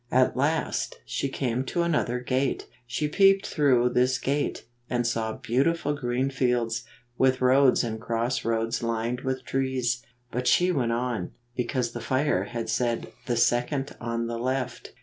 At last, she came to another gate. She peeped through this gate, and saw beautiful green fields, with roads and cross roads lined with trees. But she went on, because the fire had said the second on the left.